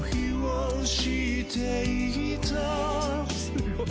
すごい！